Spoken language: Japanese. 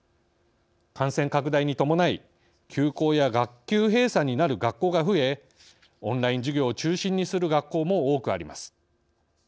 感染拡大に伴い休校や学級閉鎖になる学校が増えオンライン授業を中心にする学校も多くあります。